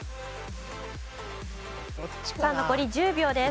さあ残り１０秒です。